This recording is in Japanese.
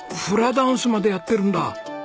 フラダンスまでやってるんだ。